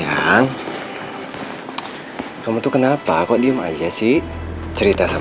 saat ombak sana keluar kamu akan mencoba mengembalikan ke hitam